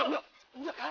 lo sudah bisa berhenti